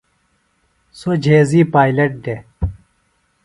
سوۡ جھیزی پائلٹ دے۔